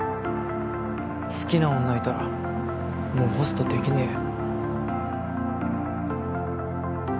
好きな女いたらもうホストできねぇよ。